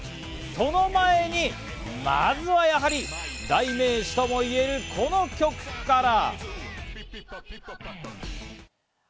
その前にまずはやはり代名詞ともいえるこの曲から。